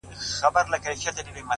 پر دې دنیا سوځم پر هغه دنیا هم سوځمه _